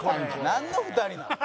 なんの２人なん？